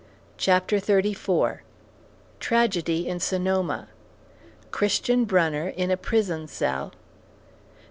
CHAPTER XXXIV TRAGEDY IN SONOMA CHRISTIAN BRUNNER IN A PRISON CELL ST.